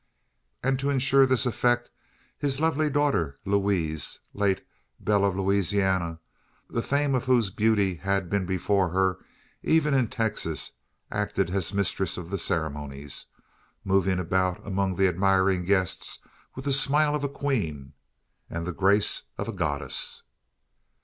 And to insure this effect, his lovely daughter Louise, late belle of Louisiana the fame of whose beauty had been before her, even in Texas acted as mistress of the ceremonies moving about among the admiring guests with the smile of a queen, and the grace of a goddess.